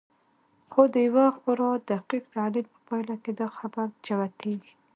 خو د يوه خورا دقيق تحليل په پايله کې دا خبره جوتېږي.